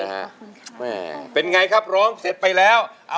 จับมือประคองขอร้องอย่าได้เปลี่ยนไป